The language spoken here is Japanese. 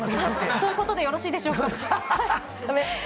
そういうことで、よろしいでしょうか？